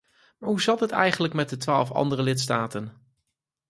Maar hoe zat het eigenlijk met de andere twaalf lidstaten?